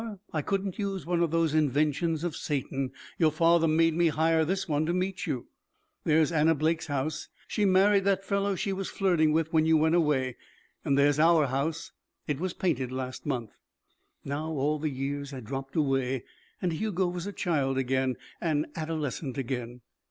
I couldn't use one of those inventions of Satan. Your father made me hire this one to meet you. There's Anna Blake's house. She married that fellow she was flirting with when you went away. And there's our house. It was painted last month." Now all the years had dropped away and Hugo was a child again, an adolescent again.